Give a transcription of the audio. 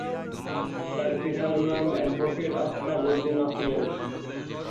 তার পিতার নাম অ্যাডভোকেট আফতাব উদ্দীন আহমেদ।